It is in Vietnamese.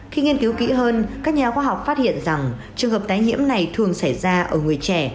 khi nghiên cứu kỹ hơn các nhà khoa học phát hiện rằng trường hợp tái nhiễm này thường xảy ra ở người trẻ